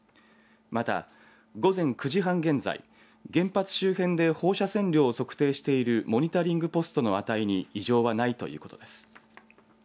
また、午前９時半現在、原発周辺で放射線量を測定しているモニタリングポストの値に異常はないということです。